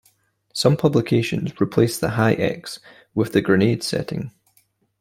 Some publications replace the Hi-Ex with the Grenade setting.